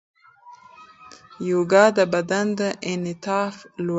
یوګا د بدن انعطاف لوړوي.